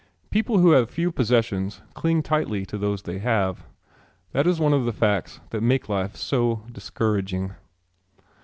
People who have few possessions cling tightly to those they have. That is one of the facts that make life so discouraging.